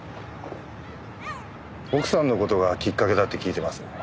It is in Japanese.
奥さんの事がきっかけだって聞いてます。